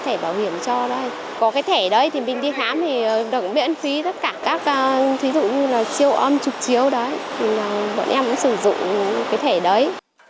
vậy là bọn em cũng sử dụng cái thẻ đấy